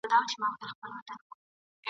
باسواده مور ښه تصمیمونه نیسي.